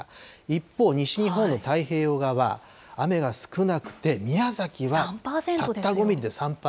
一方、西日本の太平洋側は雨が少なくて、宮崎はたった５ミリで３％。